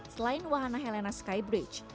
selain wahana helena sky bridge